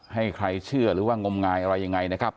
ให้ใครเชื่อหรือว่างมงายอะไรยังไงนะครับ